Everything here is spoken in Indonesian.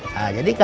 nah jadi kalau